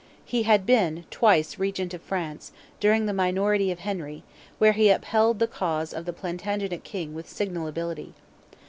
He had been twice Regent of France, during the minority of Henry, where he upheld the cause of the Plantagenet King with signal ability.